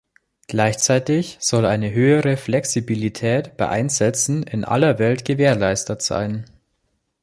Gleichzeitig soll eine höhere Flexibilität bei Einsätzen in aller Welt gewährleistet sein.